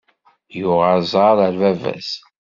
Yuɣ aẓaṛ ar bab-as.